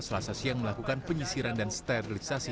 selasa siang melakukan penyisiran dan sterilisasi